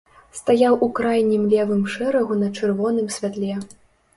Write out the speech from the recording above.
Стаяў у крайнім левым шэрагу на чырвоным святле.